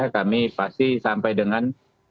kami pasti sampai dengan dua ribu dua puluh empat